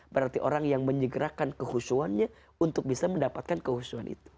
berarti orang yang menyegerakan kehusuannya untuk bisa mendapatkan kehusuan itu